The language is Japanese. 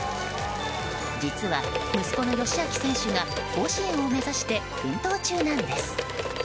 実は、息子の佳亮選手が甲子園を目指して奮闘中なんです。